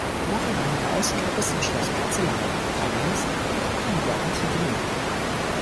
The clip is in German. Darüber hinaus gab es im Schloss Porzellan, Fayencen und einige antike Möbel.